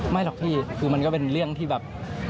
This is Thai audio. หรอกพี่คือมันก็เป็นเรื่องที่แบบ